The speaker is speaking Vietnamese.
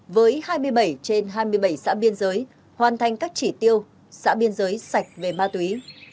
với hai mươi bảy trên hai mươi bảy xã biên giới hoàn thành các chỉ tiêu xã biên giới sạch về ma túy